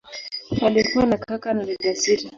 Alikuwa na kaka na dada sita.